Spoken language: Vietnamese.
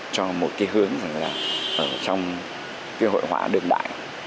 cho một cái hướng rằng là ở trong cái hội họa đường đại